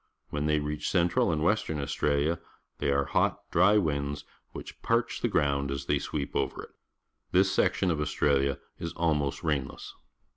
Whenjthej^ reaclLXJentral and Western Australia, they are hot, dry winds, which parch the ground as they sweep over it. This section of Australia is almost rainless.